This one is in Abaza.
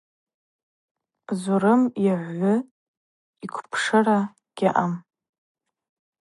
Зурым йыгӏвгӏвы йквпшыра гьаъам.